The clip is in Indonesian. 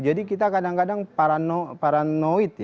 jadi kita kadang kadang paranoid